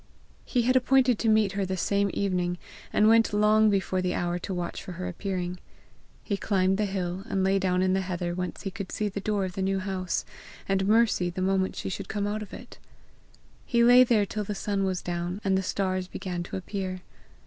He had appointed to meet her the same evening, and went long before the hour to watch for her appearing. He climbed the hill, and lay down in the heather whence he could see the door of the New House, and Mercy the moment she should come out of it. He lay there till the sun was down, and the stars began to appear.